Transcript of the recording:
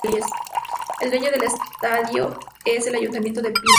El dueño del estadio es el ayuntamiento de Panevėžys.